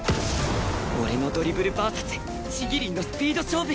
俺のドリブル ＶＳ ちぎりんのスピード勝負